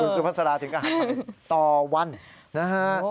คุณสุภัณฑ์ศาลาถึงอาหารพันต่อวันนะฮะ